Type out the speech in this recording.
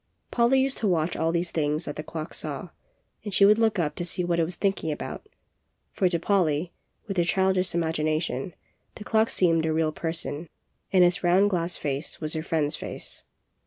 Polly used to watch all these things that the clock saw, and she would look up to see what it was thinking about; for to Polly, with her childish imagination, the clock seemed a real person, and its round glass face was her friend's face.